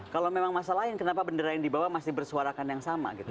kalau memang masalah lain kenapa bendera yang dibawa masih bersuarakan yang sama gitu